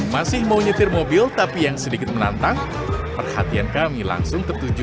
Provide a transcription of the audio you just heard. masih mau nyetir mobil tapi yang sedikit menantang perhatian kami langsung tertuju